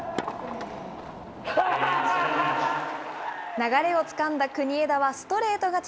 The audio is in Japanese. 流れをつかんだ国枝は、ストレート勝ち。